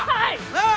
なあ！